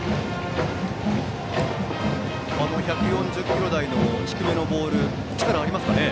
１４０キロ台の低めのボール力がありますかね。